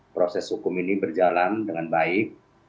proses hukum ini berjalan dengan baik